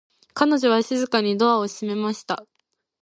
彼女は静かにドアを閉めました。